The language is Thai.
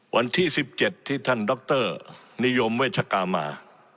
วันที่๑๗ที่ท่านดรนิยมเวชกามา